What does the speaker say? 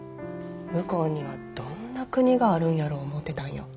向こうにはどんな国があるんやろう思てたんよ。